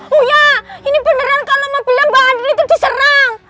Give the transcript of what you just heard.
huyaa ini beneran kalau mau bilang mbak andin itu diserang